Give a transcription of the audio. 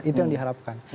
itu yang diharapkan